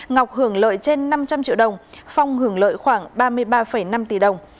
ngọc hưởng lợi trên năm trăm linh triệu đồng phong hưởng lợi khoảng ba mươi ba năm tỷ đồng